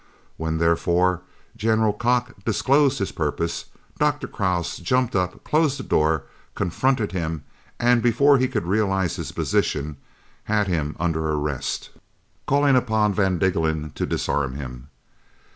When, therefore, "General" Kock disclosed his purpose, Dr. Krause jumped up, closed the door, confronted him, and, before he could realise his position, had him under arrest, calling upon van Diggelen to disarm him.